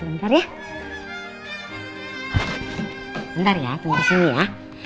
bentar ya tunggu disini ya